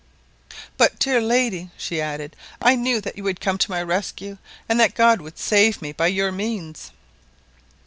"But, dear lady," she added, "I knew that you would come to my rescue, and that God would save me by your means."